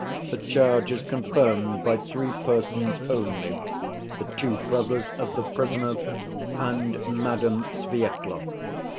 The charge is confirmed by three persons only—the two brothers of the prisoner and Madame Svyetlov.